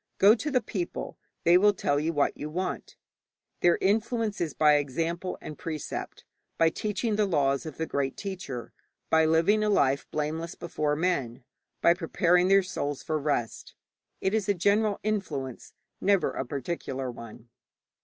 'Go to the people; they will tell you what you want.' Their influence is by example and precept, by teaching the laws of the great teacher, by living a life blameless before men, by preparing their souls for rest. It is a general influence, never a particular one.